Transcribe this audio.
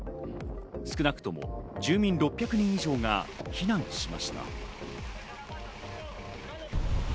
少なくとも住民６００人以上が避難しました。